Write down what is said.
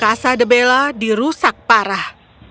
kasa de bella dirusak parah